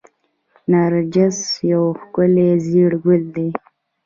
نرجس یو ښکلی ژیړ ګل دی